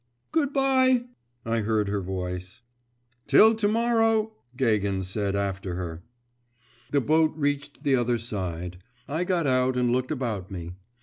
'Good bye!' I heard her voice. 'Till to morrow,' Gagin said after her. The boat reached the other side. I got out and looked about me.